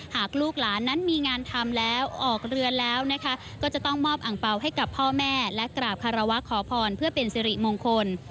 ลูกหลานนั้นมีงานทำแล้วออกเรือแล้วนะคะก็จะต้องมอบอังเปล่าให้กับพ่อแม่และกราบคารวะขอพรเพื่อเป็นสิริมงคล